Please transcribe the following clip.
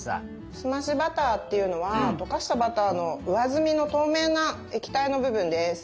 澄ましバターっていうのはとかしたバターの上澄みの透明な液体の部分です。